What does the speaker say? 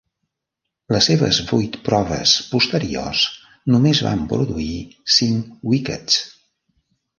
Les seves vuit proves posteriors només van produir cinc wickets.